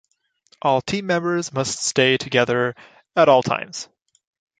All team members must stay together at all times.